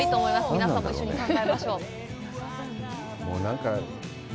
皆さんも一緒に考えましょう！